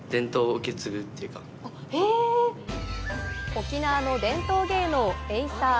沖縄の伝統芸能「エイサー」